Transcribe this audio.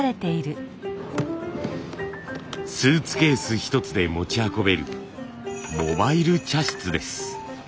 スーツケースひとつで持ち運べるモバイル茶室です。